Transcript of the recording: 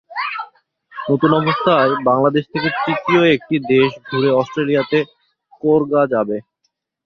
নতুন অবস্থায় বাংলাদেশ থেকে তৃতীয় একটি দেশ ঘুরে অস্ট্রেলিয়াতে কাের্গা যাবে।